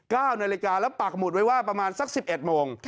๙นาฬิกาแล้วปากหมุดไว้ว่าประมาณสัก๑๑โมง